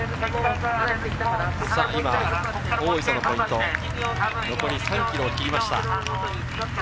今、大磯のポイント、残り３ｋｍを切りました。